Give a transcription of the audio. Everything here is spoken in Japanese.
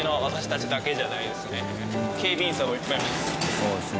そうですね。